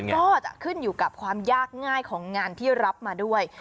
ก็จะขึ้นอยู่กับความยากง่ายของงานที่รับมาด้วย